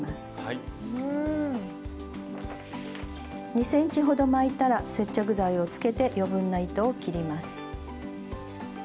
２ｃｍほど巻いたら接着剤をつけて余分な糸を切ります。